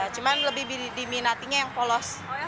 cuman lebih diminatinya yang polos